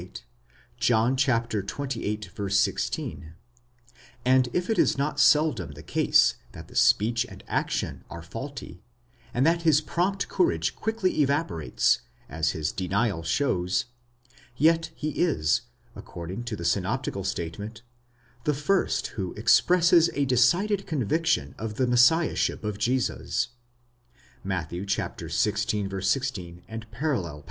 58; John xviii. 16) ; and if it is not seldom the case that the speech and: action are faulty, and that his prompt courage quickly evaporates, as his denial shows, yet he is, according to the synoptical statement, the first who expresses a decided conviction of the Messiahship of Jesus (Matt. xvi. 16,. parall.).